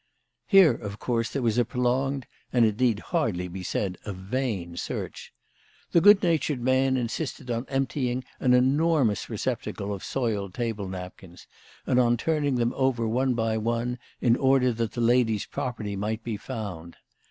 Here, of course, there was a prolonged, and, it need hardly be said, a vain search. The good natured man insisted on emptying an enormous receptacle of soiled table napkins, and on turning them over one by one, in order that the lady's property might be found.